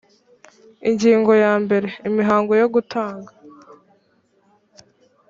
ingingo ya mbere imihango yo gutanga